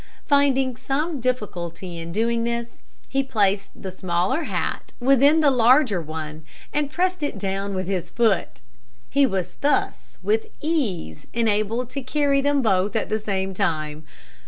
Finding some difficulty in doing this, he placed the smaller hat within the larger one, and pressed it down with his foot. He was thus, with ease, enabled to carry them both at the same time.